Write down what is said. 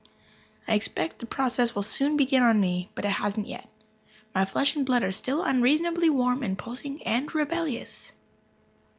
I expect the process will soon begin on me, but it hasn't yet. My flesh and blood are still unreasonably warm and pulsing and rebellious.